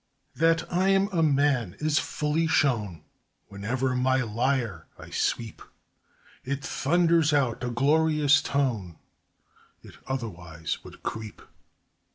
That I'm a man is fully shown Whene'er my lyre I sweep; It thunders out a glorious tone It otherwise would creep.